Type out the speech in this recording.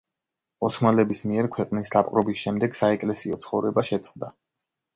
ოსმალების მიერ ქვეყნის დაპყრობის შემდეგ საეკლესიო ცხოვრება შეწყდა.